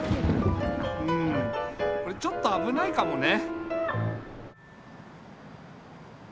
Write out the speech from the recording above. うんこれちょっとあぶないかもね。